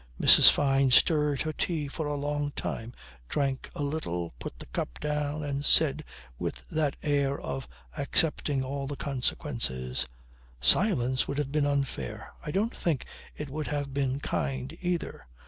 Mrs. Fyne stirred her tea for a long time, drank a little, put the cup down and said with that air of accepting all the consequences: "Silence would have been unfair. I don't think it would have been kind either.